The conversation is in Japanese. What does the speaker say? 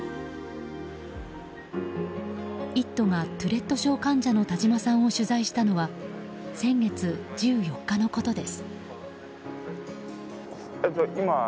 「イット！」がトゥレット症患者の田島さんを取材したのは先月１４日のことです。